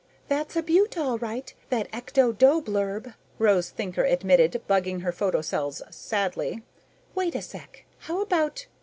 "That's a beaut, all right, that ecto dough blurb," Rose Thinker admitted, bugging her photocells sadly. "Wait a sec. How about?